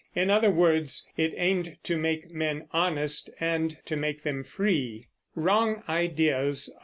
In other words, it aimed to make men honest and to make them free.